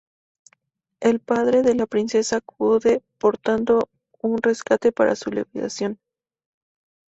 El padre de la princesa acude portando un rescate para su liberación.